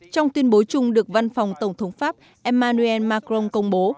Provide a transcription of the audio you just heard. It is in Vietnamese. trong tuyên bố chung được văn phòng tổng thống pháp emmanuel macron công bố